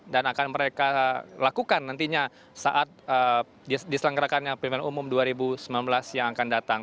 dan akan mereka lakukan nantinya saat diselenggarakannya pilihan umum dua ribu sembilan belas yang akan datang